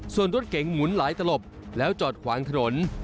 ส่วนรถเก๋งหมุนหลายตลบแล้วจอดขวางถนน